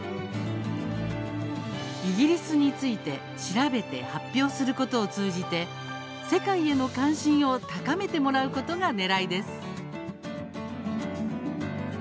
イギリスについて調べて発表することを通じて世界への関心を高めてもらうことがねらいです。